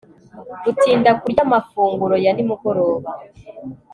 Gutinda kurya amafunguro ya nimugoroba